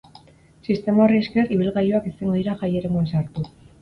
Sistema horri esker, ibilgailuak ezingo dira jai eremuan sartu.